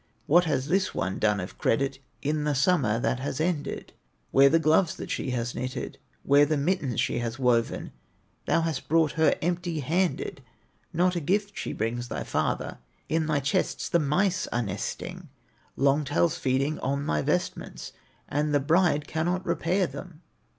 What has this one done of credit, In the summer that has ended? Where the gloves that she has knitted, Where the mittens she has woven? Thou hast brought her empty handed, Not a gift she brings thy father; In thy chests the mice are nesting, Long tails feeding on thy vestments, And thy bride cannot repair them."